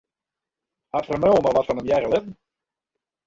Hat Vermeulen al wat fan him hearre litten?